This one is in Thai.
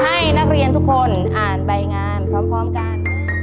ให้นักเรียนทุกคนอ่านใบงานพร้อมกัน